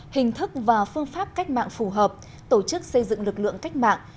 hình thức và phương pháp cách mạng phù hợp tổ chức xây dựng lực lượng cách mạng